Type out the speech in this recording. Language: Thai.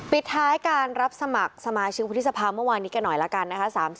ปิดท้ายการรับสมัครสมาชิกวุฒิสภาเมื่อวานนี้กันหน่อยละกันนะคะ